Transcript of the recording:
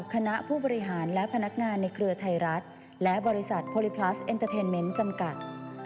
คณะผู้บริหารและพนักงานในเครือไทยรัฐและบริษัทโพลิพลัสเอ็นเตอร์เทนเมนต์จำกัด